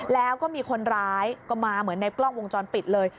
แล้วก็มีคนร้ายก็มาเหมือนในกล้องวงจรปิดเลย